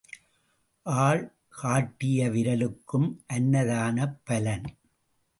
ஆள் காட்டிய விரலுக்கும் அன்னதானப் பலன்.